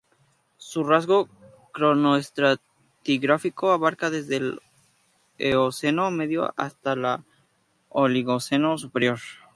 Su rango cronoestratigráfico abarca desde el Eoceno medio hasta la Oligoceno superior.